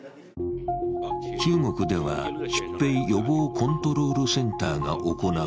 中国では、疾病予防コントロールセンターが行う